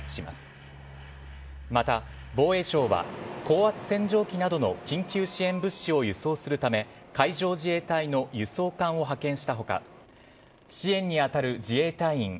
また防衛省は高圧洗浄機などの緊急支援物資を輸送するため海上自衛隊の輸送艦を派遣した他支援に当たる自衛隊員